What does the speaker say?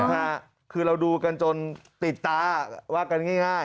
ค่ะคือเราดูกันจนติดตาว่ากันง่าย